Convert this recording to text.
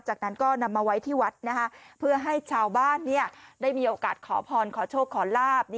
จากนั้นก็นำมาไว้ที่วัดเพื่อให้ชาวบ้านได้มีโอกาสขอพรขอโชคขอลาบ